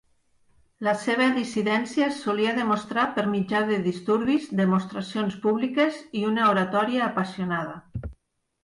La seva dissidència es solia demostrar per mitjà de disturbis, demostracions públiques i una oratòria apassionada.